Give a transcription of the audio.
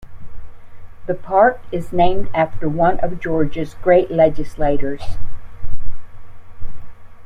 The park is named after one of Georgia's great legislators.